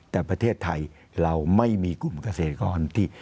แต่ประเทศไทยเราไม่มีกลุ่มเกษตรกรที่